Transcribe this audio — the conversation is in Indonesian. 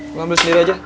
lo ambil sendiri aja